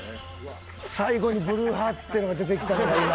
最後にブルーハーツっていうのが出てきたのが今。